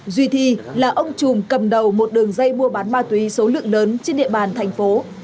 duy thi là ông chùm cầm đầu một đường dây mua bán ma túy số lượng lớn trên địa bàn thành phố